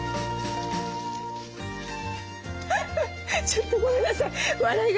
ちょっとごめんなさい。